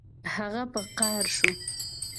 هغه په قهر شو